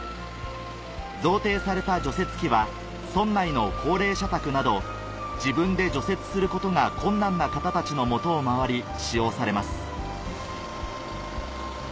贈呈された除雪機は村内の高齢者宅など自分で除雪することが困難な方たちの元を回り使用されます